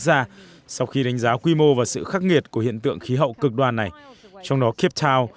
gia sau khi đánh giá quy mô và sự khắc nghiệt của hiện tượng khí hậu cực đoan này trong đó cape town